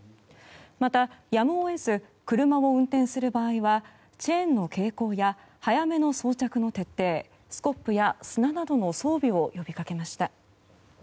また、やむを得ず車を運転する場合はチェーンの携行や早めの装着の徹底スコップや砂などの装備を呼びかけました。